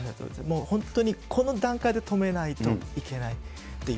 もう本当にこの段階で止めないといけないっていう。